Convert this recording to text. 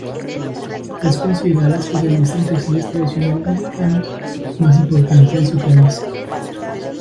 Es considerada la especialista en textiles tradicionales mexicanos más importante de su país.